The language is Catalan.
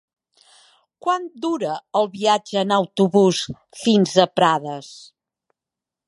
Quant dura el viatge en autobús fins a Prades?